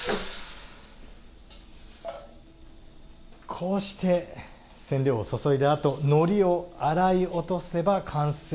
こうして染料を注いだあとのりを洗い落とせば完成です。